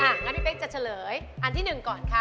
อ่างั้นพี่เป๊กจะเฉลยอันที่หนึ่งก่อนค่ะ